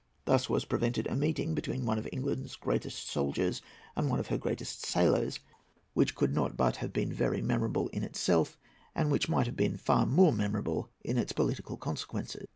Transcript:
Thus was prevented a meeting between one of England's greatest soldiers and one of her greatest sailors, which could not but have been very memorable in itself, and which might have been far more memorable in its political consequences.